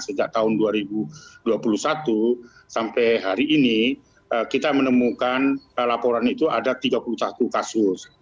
sejak tahun dua ribu dua puluh satu sampai hari ini kita menemukan laporan itu ada tiga puluh satu kasus